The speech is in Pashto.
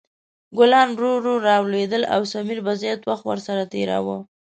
ګلان ورو ورو لا لویدل او سمیر به زیات وخت ورسره تېراوه.